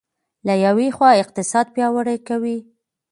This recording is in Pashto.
له یوې خوا اقتصاد پیاوړی کوي.